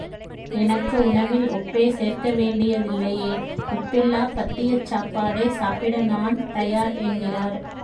எனக்கு உணவில் உப்பே சேர்க்க வேண்டியதில்லையே, உப்பில்லாப் பத்தியச் சாப்பாடே சாப்பிட நான் தயார் என்கிறார்.